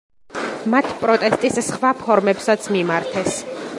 მათ პროტესტის სხვა ფორმებსაც მიმართეს.